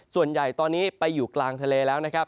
ส่วนใหญ่ตอนนี้ไปอยู่กลางทะเลแล้วนะครับ